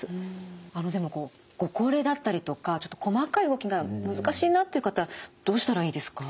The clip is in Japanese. でもご高齢だったりとかちょっと細かい動きが難しいなって方どうしたらいいですか？